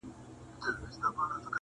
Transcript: • د چا عقل چي انسان غوندي پر لار وي -